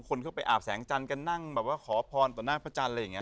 คนเข้าไปอาบแสงจันทร์กันนั่งแบบว่าขอพรต่อหน้าพระจันทร์อะไรอย่างนี้